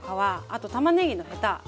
あとたまねぎのヘタ